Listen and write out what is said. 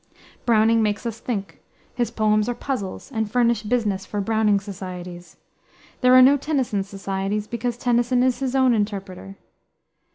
Browning makes us think; his poems are puzzles, and furnish business for "Browning Societies." There are no Tennyson societies, because Tennyson is his own interpreter.